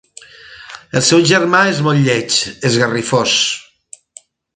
El seu germà és molt lleig: esgarrifós!